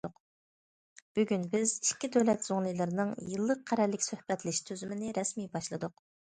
بۈگۈن بىز ئىككى دۆلەت زۇڭلىلىرىنىڭ يىللىق قەرەللىك سۆھبەتلىشىش تۈزۈمىنى رەسمىي باشلىدۇق.